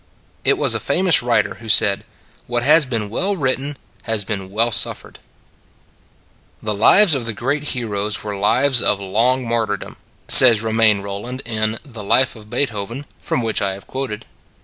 It was a famous writer who said: " What has been well written has been well suffered." " The lives of the great heroes were lives of long martyrdom," says Remain Holland in the "Life of Beethoven" from which I have quoted.